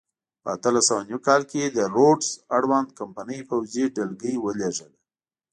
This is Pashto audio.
په اتلس سوه نوي کال کې د روډز اړوند کمپنۍ پوځي ډلګۍ ولېږله.